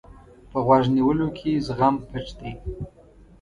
په غوږ نیولو کې زغم پټ دی.